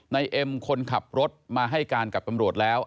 ในเอ็มคนขับรถมาให้การกับปรับบรวดแล้ว